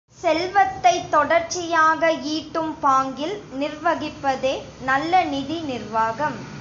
செல்வத்தைத் தொடர்ச்சியாக ஈட்டும் பாங்கில் நிர்வகிப்பதே நல்ல நிதி நிர்வாகம்.